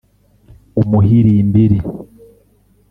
Umuhirimbiri